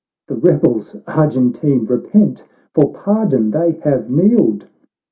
" The rebels, Argentine, repent ! For pardon they have kneeled."